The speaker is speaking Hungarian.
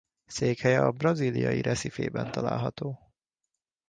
Székhelye a brazíliai Recifében található.